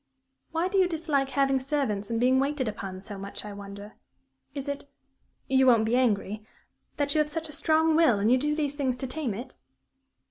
"Why do you dislike having servants and being waited upon so much, I wonder? Is it you won't be angry? that you have such a strong will, and you do these things to tame it?"